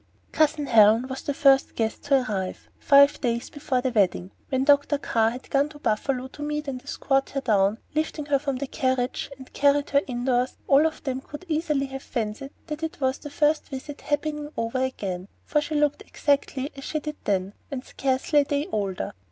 Cousin Helen was the first guest to arrive, five days before the wedding. When Dr. Carr, who had gone to Buffalo to meet and escort her down, lifted her from the carriage and carried her indoors, all of them could easily have fancied that it was the first visit happening over again, for she looked exactly as she did then, and scarcely a day older.